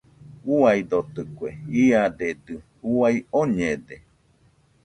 Uaidotɨkue, iadedɨ uai oñede.